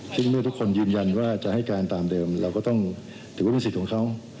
ซึ่งเมื่อทุกคนยืนยันว่าจะให้การตามเดิมเราก็ต้องถือว่าเป็นสิทธิ์ของเขา